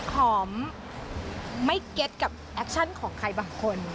หอมไม่เก็ตกับแอคชั่นของใครบางคน